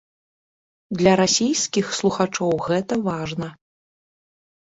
Для расійскіх слухачоў гэта важна.